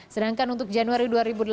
sedangkan untuk januari dua ribu delapan belas